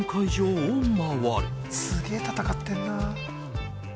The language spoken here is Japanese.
すげぇ闘ってんな。